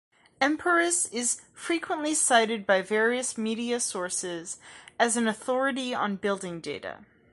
Emporis is frequently cited by various media sources as an authority on building data.